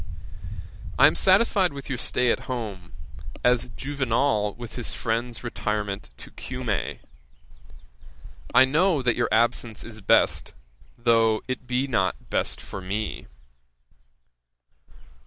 'I am satisfied with your stay at home, as Juvenal with his friend's retirement to Cumæ: I know that your absence is best, though it be not best for me.